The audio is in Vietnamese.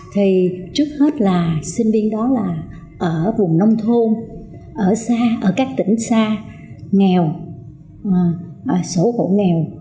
thì trước hết là sinh viên đó là ở vùng nông thôn ở các tỉnh xa nghèo sổ hộ nghèo